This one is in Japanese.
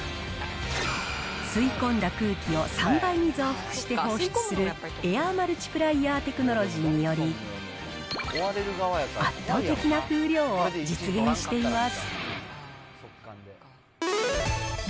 吸い込んだ空気を３倍に増幅して放出する、エアーマルチプライアーテクノロジーにより圧倒的な風量を実現しています。